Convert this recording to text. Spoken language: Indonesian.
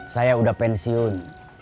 saya udah pensiun